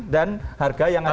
dan harga yang ada di kontrak